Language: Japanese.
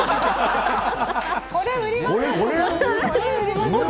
これ売りましょう。